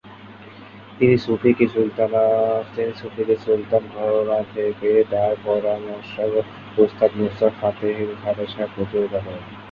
তিনি সুফি কি সুলতান ঘরানা থেকে তার পরামর্শক উস্তাদ নুসরাত ফতেহ আলী খানের সঙ্গে প্রতিযোগিতা করেন।